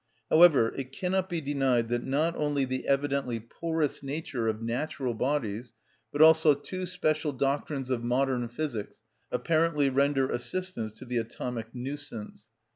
However, it cannot be denied that not only the evidently porous nature of natural bodies, but also two special doctrines of modern physics, apparently render assistance to the atomic nuisance.